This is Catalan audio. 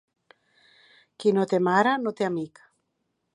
Qui no té mare, no té amic.